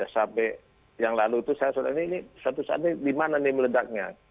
sampai yang lalu tuh saya sudah ini satu saat ini dimana nih meledaknya